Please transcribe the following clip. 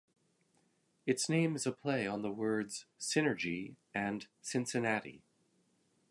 Its name is a play on the words "synergy" and "Cincinnati".